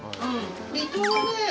離島はね